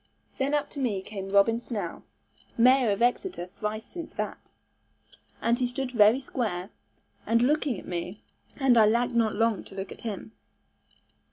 Then up to me came Robin Snell (mayor of Exeter thrice since that), and he stood very square, and looking at me, and I lacked not long to look at him.